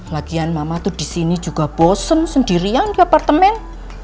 lagian mama tuh disini juga bosen sendirian di apartemen